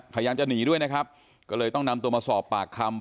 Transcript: พยายามจะหนีด้วยนะครับก็เลยต้องนำตัวมาสอบปากคำ